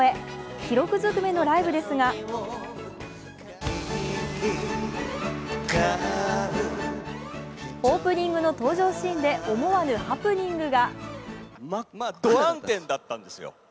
記録ずくめのライブですがオープニングの登場シーンで思わぬハプニングが。